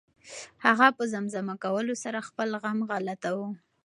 هغه په زمزمه کولو سره خپل غم غلطاوه.